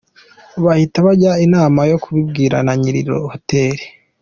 Bahita bajya inama yo kubibwira ba Nyirihotel.